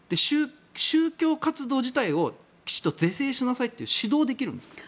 宗教活動自体をきちんと是正しなさいと指導できるんですか。